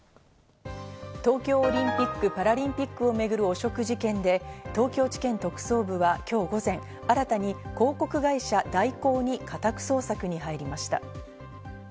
東京オリンピック・パラリンピックを巡る汚職事件で東京地検特捜部は今日午前、新たに広告会社代行に家宅捜索に入りました。